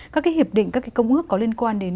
các cái hiệp định các cái công ước có liên quan đến